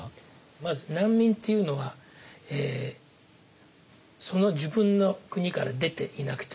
まず難民っていうのはその自分の国から出ていなくてはいけない。